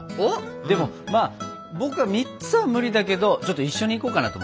でもまあ僕は３つは無理だけどちょっと一緒に行こうかなと思ってさ。